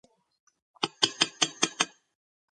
დასრულდა იუგოსლავიის დაშლით.